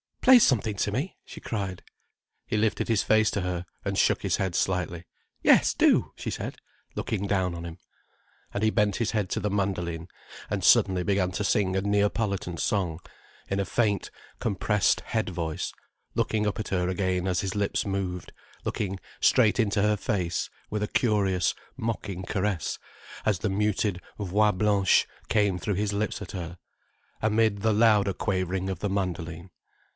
"Play something to me," she cried. He lifted his face to her, and shook his head slightly. "Yes do," she said, looking down on him. And he bent his head to the mandoline, and suddenly began to sing a Neapolitan song, in a faint, compressed head voice, looking up at her again as his lips moved, looking straight into her face with a curious mocking caress as the muted voix blanche came through his lips at her, amid the louder quavering of the mandoline.